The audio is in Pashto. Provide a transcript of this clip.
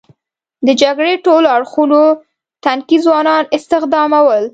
د جګړې ټولو اړخونو تنکي ځوانان استخدامول.